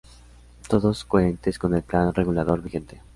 Todos coherentes con el Plan Regulador vigente.